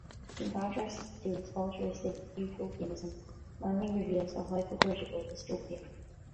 In contrast to its altruistic utopianism, Manley reveals a hypocritical dystopia.